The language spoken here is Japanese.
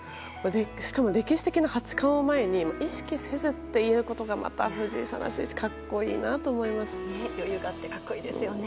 しかも歴史的な八冠を前に意識せずっていうことがまた藤井さんらしいし藤井さんらしいし格好いいですよね。